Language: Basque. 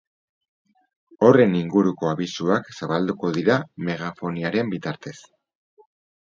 Horren inguruko abisuak zabalduko dira megafoniaren bitartez.